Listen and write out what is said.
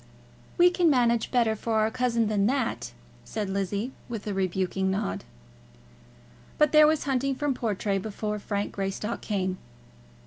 "We can manage better for our cousin than that," said Lizzie, with a rebuking nod. But there was hunting from Portray before Frank Greystock came.